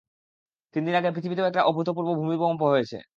তিনদিন আগে পৃথিবীতেও একটা অভূতপূর্ব ভূমিকম্প হয়েছে।